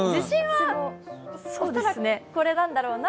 恐らくこれなんだろうな。